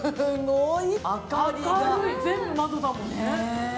全部窓だもんね。